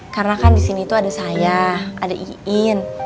karena kan disini tuh ada saya ada iin